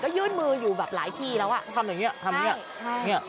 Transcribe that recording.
ยื่นมืออยู่แบบหลายทีแล้วอ่ะทำอย่างเงี้ทำเนี้ยใช่เนี้ย